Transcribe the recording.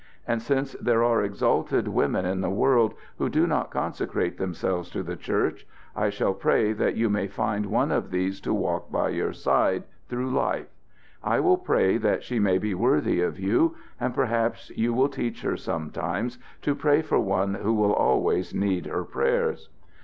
And since there are exalted women in the world who do not consecrate themselves to the Church, I shall pray that you may find one of these to walk by your side through life. I shall pray that she may be worthy of you; and perhaps you will teach her sometimes to pray for one who will always need her prayers.